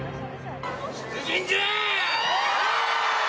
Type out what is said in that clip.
出陣じゃ！